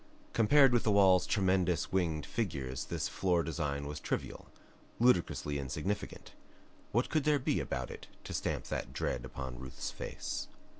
Compared with the wall's tremendous winged figures this floor design was trivial, ludicrously insignificant. What could there be about it to stamp that dread upon Ruth's face?